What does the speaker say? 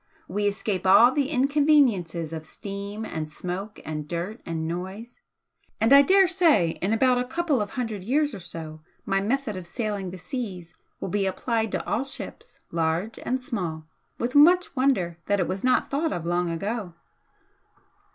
We escape all the inconveniences of steam and smoke and dirt and noise, and I daresay in about a couple of hundred years or so my method of sailing the seas will be applied to all ships large and small, with much wonder that it was not thought of long ago."